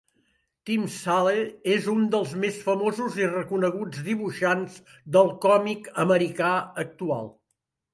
Tim Sale és un dels més famosos i reconeguts dibuixants del còmic americà actual.